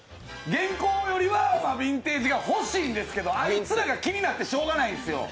現行よりはビンテージがほしいんですけどあいつらが気になってしょうがないんすよ。